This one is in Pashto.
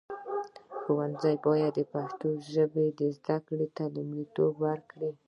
ښوونځي باید د پښتو زده کړې ته لومړیتوب ورکړي.